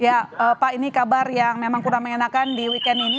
ya pak ini kabar yang memang kurang mengenakan di weekend ini